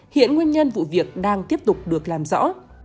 hiện nguyên nhân vụ việc đang tiếp tục được làm rõ